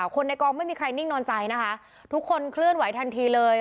คนในกองไม่มีใครนิ่งนอนใจนะคะทุกคนเคลื่อนไหวทันทีเลย